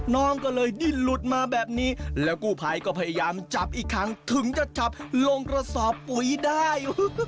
น้องก็เลยดิ้นหลุดมาแบบนี้แล้วกู้ภัยก็พยายามจับอีกครั้งถึงจะจับลงกระสอบปุ๋ยได้